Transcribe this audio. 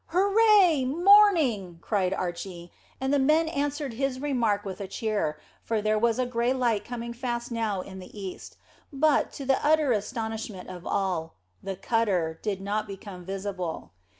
"Hurrah! Morning," cried Archy, and the men answered his remark with a cheer, for there was a grey light coming fast now in the east, but, to the utter astonishment of all, the cutter did not become visible.